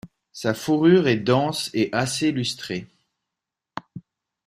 Sa fourrure est dense et assez lustrée.